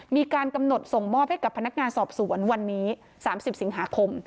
มีการกำหนดส่งมอบให้กับพนักงานสอบสวนวันนี้๓๐สิงหาคม